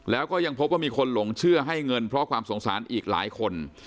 แล้วก็ยังพบว่ามีคนหลงเชื่อให้เงินเพราะความสงสารอีกหลายคน